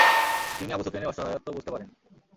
তিনি আবু সুফিয়ানের অসহায়ত্ব বুঝতে পারেন।